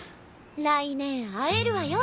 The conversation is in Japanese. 来年会えるわよ。